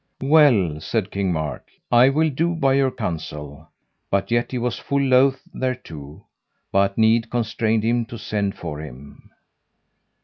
Well, said King Mark, I will do by your counsel; but yet he was full loath thereto, but need constrained him to send for him.